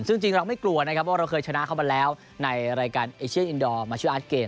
ซึ่งจริงเราไม่กลัวนะครับว่าเราเคยชนะเขามาแล้วในรายการเอเชียนอินดอร์มาชื่ออาร์ตเกม